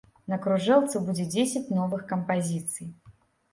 На кружэлцы будзе дзесяць новых кампазіцый.